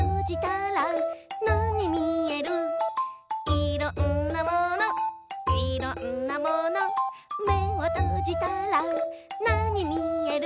「いろんなものいろんなもの」「めをとじたらなにみえる？